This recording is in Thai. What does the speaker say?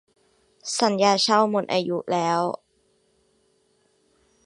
สัญญาเช่าหมดอายุแล้ว